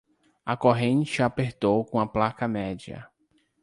A corrente apertou com a placa média.